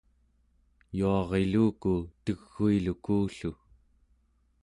yuariluku teguiluku-llu